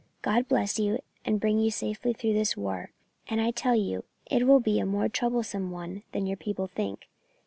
God bless you, and bring you safely through this war, and I tell you it will be a more troublesome one than your people think.